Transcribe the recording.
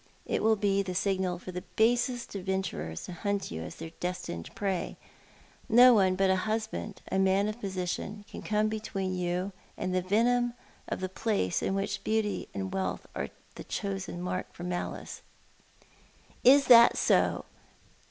It will be the signal for the basest adventurers to hunt you as their destined prey. No one but a husband — a man of position — can come between you and the venom of the world in which beauty and wealth are the chosen mark for malice." "Is that so?